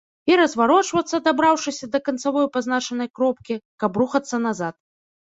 І разварочвацца, дабраўшыся да канцавой пазначанай кропкі, каб рухацца назад.